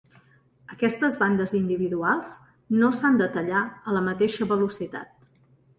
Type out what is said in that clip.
Aquestes bandes individuals no s'han de tallar a la mateixa velocitat.